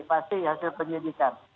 pasti hasil penyelidikan